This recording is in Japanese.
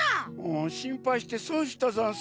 しんぱいしてそんしたざんす。